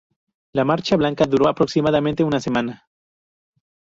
La marcha blanca duró aproximadamente una semana.